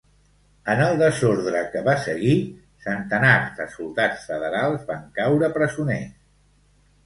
En el desordre que va seguir, centenars de soldats federals van caure presoners.